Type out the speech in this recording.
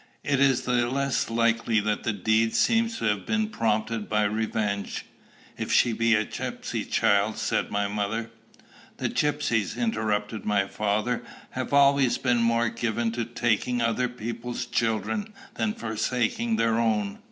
"It is the less likely that the deed seems to have been prompted by revenge." "If she be a gypsy's child," said my mother. "The gypsies," interrupted my father, "have always been more given to taking other people's children than forsaking their own.